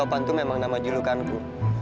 papan itu memang nama julukanku